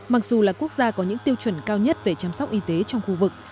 mặc dù là quốc gia có những tiêu chuẩn cao nhất về chăm sóc y tế trong khu vực